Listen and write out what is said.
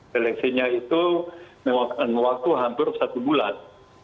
seleksinya itu mewaktu hampir satu bulan